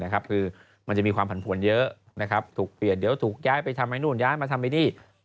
คือมันจะมีความผันผวนเยอะถูกเปลี่ยนเดี๋ยวถูกย้ายไปทำไอ้นู่นย้ายมาทำไอ้นี่